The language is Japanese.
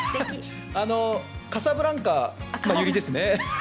カサブランカのユリですね。